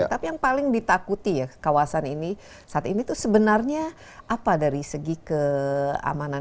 tapi yang paling ditakuti ya kawasan ini saat ini tuh sebenarnya apa dari segi keamanan